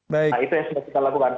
nah itu yang sudah kita lakukan